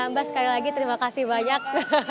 mbak sekali lagi terima kasih banyak